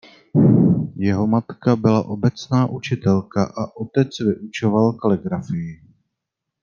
Jeho matka byla obecná učitelka a otec vyučoval kaligrafii.